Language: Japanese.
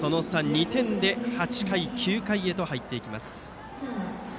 ２点で８回、９回へと入っていきます。